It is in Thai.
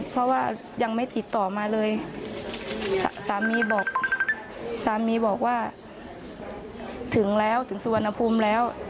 เพราะว่ายังไม่ติดต่อมาเลยสามีบอกสามีบอกว่าถึงแล้วถึงสุวรรณภูมิแล้ว